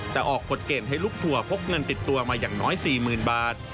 แต่ออกกฎเกณฑ์ให้ลูกทัวร์พกเงินติดตัวมาอย่างน้อย๔๐๐๐บาท